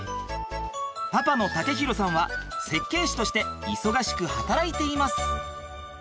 パパの武浩さんは設計士として忙しく働いています。